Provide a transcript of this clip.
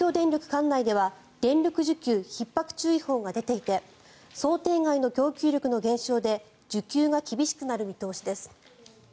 管内では電力需給ひっ迫注意報が出ていて想定外の供給力の減少で需給が厳しくなる見通しです。